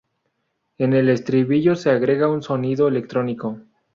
En el estribillo se agrega un sonido electrónico.